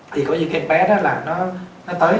thì có những cái bé đó là nó tới